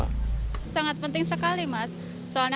sangat penting sekali mas